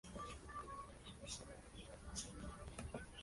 Shaun Wright-Phillips firmó contrato con los Blues por cinco temporadas.